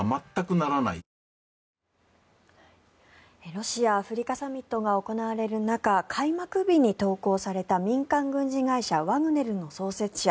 ロシア・アフリカサミットが行われる中開幕日に投稿された民間軍事会社ワグネルの創設者